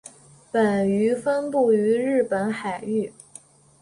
本鱼分布于日本海域。